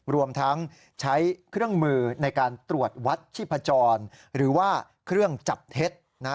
รวมทั้งใช้เครื่องมือในการตรวจวัดชีพจรหรือว่าเครื่องจับเท็จนะฮะ